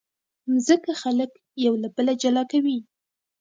مځکه خلک یو له بله جلا کوي.